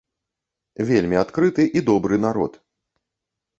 Вельмі адкрыты і добры народ.